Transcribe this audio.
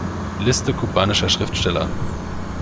Liste kubanischer Schriftsteller